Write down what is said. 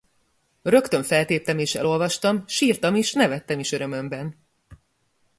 Rögtön feltéptem és elolvastam, sírtam is, nevettem is örömömben.